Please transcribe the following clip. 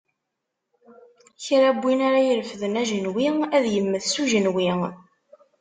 Kra n win ara irefden ajenwi, ad immet s ujenwi.